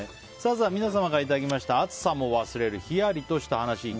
皆様からいただきました暑さも忘れるヒヤリとした話。